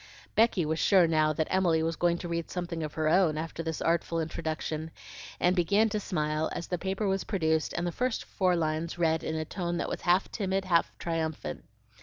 Becky was sure now that Emily was going to read something of her own after this artful introduction, and began to smile as the paper was produced and the first four lines read in a tone that was half timid, half triumphant.